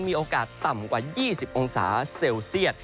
มีโอกาสต่ำกว่า๒๐องศาเซลเซียต